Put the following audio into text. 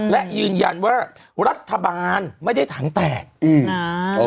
และยืนยันว่ารัฐบาลไม่ได้ถังแตกอืม